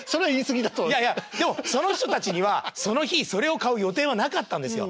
いやいやでもその人たちにはその日それを買う予定はなかったんですよ。